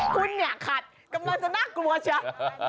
คุณเนี่ยขัดกำลังจะน่ากลัวเชียว